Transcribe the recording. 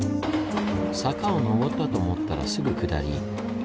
坂を上ったと思ったらすぐ下り。